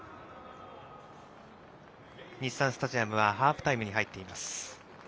日産スタジアムがハーフタイムに入っています。